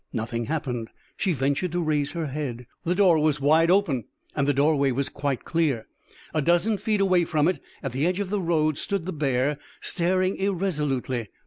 Nothing happened. She ventured to raise her head. The door was wide open and the doorway quite clear. A dozen feet away from it, at the edge of the road, stood the bear, staring irresolutely.